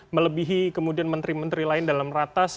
melebihi kemudian menteri menteri lain dalam ratas